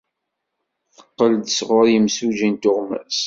Teqqel-d sɣur yimsujji n tuɣmas.